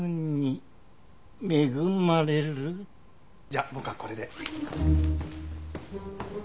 じゃあ僕はこれで。